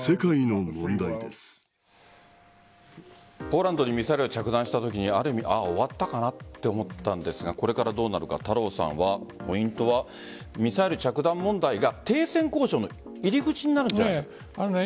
ポーランドにミサイルが着弾したときに終わったかなと思ったんですがこれからどうなるか太郎さんはポイントはミサイル着弾問題が停戦交渉の入り口になるんじゃないかと。